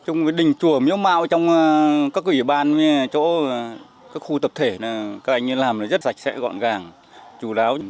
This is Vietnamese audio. trong đình chùa miếu mau trong các ủy ban chỗ các khu tập thể các anh làm rất sạch sẽ gọn gàng chú đáo